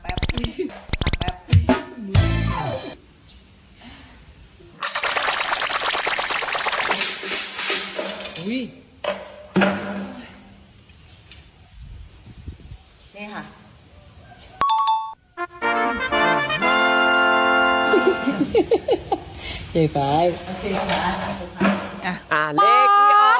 เอาชัด